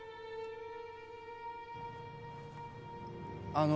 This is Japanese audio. あの。